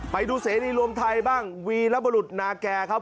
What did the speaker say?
ไปดูเสรีรวมไทยบ้างวีรบรุษนาแก่ครับ